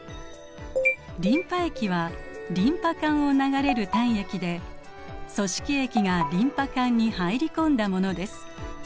リンパ液はリンパ管を流れる体液で組織液がリンパ管に入り込んだものです。